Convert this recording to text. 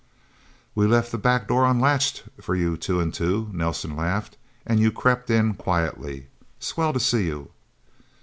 "We left the back door unlatched for you, Two and Two," Nelsen laughed. "And you crept in quietly. Swell to see you."